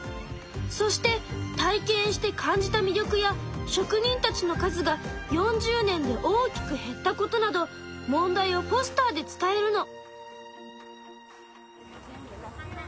そして体験して感じた魅力や職人たちの数が４０年で大きく減ったことなど問題をポスターで伝えるの。